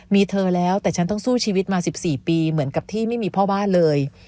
มีเธอแล้วแต่ฉันต้องสู้ชีวิตมา๑๔ปีเหมือนกับที่ไม่มีพ่อบ้านเลย